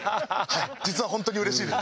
実は本当にうれしいです。